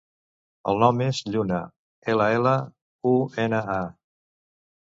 El nom és Lluna: ela, ela, u, ena, a.